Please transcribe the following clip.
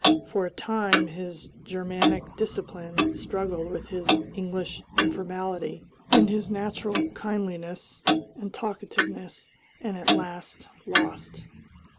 For a time his Germanic discipline struggled with his English informality and his natural kindliness and talkativeness, and at last lost.